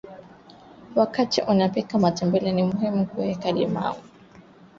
Wakati unapika matembele ni muhimu kuweka limao ili kuwezesha ufyonzwaji wa madini chuma